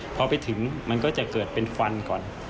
พอไปถึงมันก็จะเกิดเป็นควันก่อน